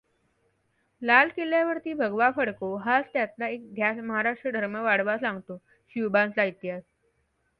लालकिल्ल्यावर भगवा फडको हाच एकला ध्यास महाराष्ट्र धर्म वाढवा सांगतो शिवबांचा इतिहास।